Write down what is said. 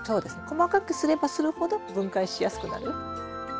細かくすればするほど分解しやすくなる。